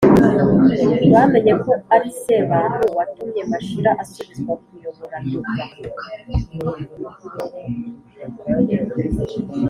bamenye ko ari sebantu watumye mashira asubizwa kuyobora nduga